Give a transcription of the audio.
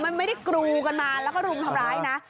มันไม่ได้กรูกันมาแล้วก็รุมทำร้ายนะ